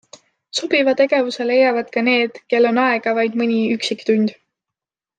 Sobiva tegevuse leiavad ka need, kel on aega vaid mõni üksik tund.